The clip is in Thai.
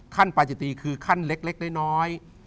ปาจิตีคือขั้นเล็กน้อย